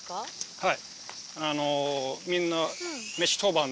はい。